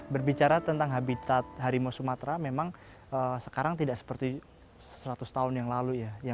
berbicara tentang habitat harimau sumatera memang sekarang tidak seperti seratus tahun yang lalu ya